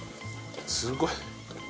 すごい。